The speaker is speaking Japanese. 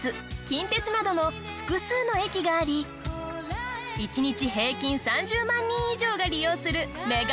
近鉄などの複数の駅があり１日平均３０万人以上が利用するメガステーション。